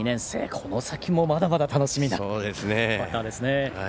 この先もまだまだ楽しみなバッターですね。